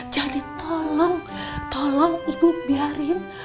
jadi tolong tolong ibu biarin